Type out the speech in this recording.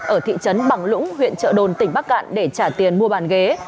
ở thị trấn bằng lũng huyện trợ đồn tỉnh bắc cạn để trả tiền mua bàn ghế